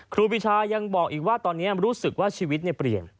ครูปีชายังบอกอีกว่าตอนนี้รู้สึกว่าชีวิตเปลี่ยน